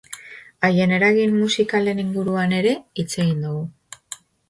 Haien eragin musikalen inguruan ere hitz egin dugu.